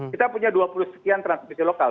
kita punya dua puluh sekian transmisi lokal